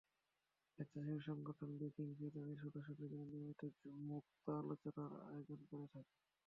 স্বেচ্ছাসেবী সংগঠন breaking free তাদের সদস্যদের জন্য নিয়মিত মুক্ত আলোচনার আয়োজন করে থাকে।